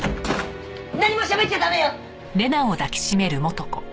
何もしゃべっちゃ駄目よ！